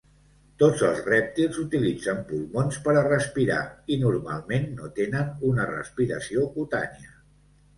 Tots els rèptils utilitzen pulmons per a respirar, i normalment no tenen una respiració cutània.